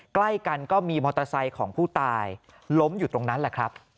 ใกล้กันก็มีมอเตอร์ไซค์ของผู้ตายล้มอยู่ตรงนั้นแหละครับ